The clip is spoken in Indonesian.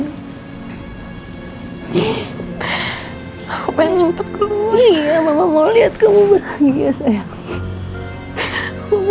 aku pengen cepet keluar ya mama mau lihat kamu bahagia sayang